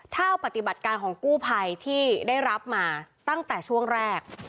เท่าปฏิบัติการของกู้ภัยที่ได้รับมาตั้งแต่ช่วงแรก